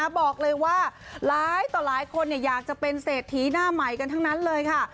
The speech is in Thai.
บอกเลยว่าหลายต่อหลายคนอยากจะเป็นเศรษฐีหน้าใหม่กันทั้งนั้นเลยค่ะ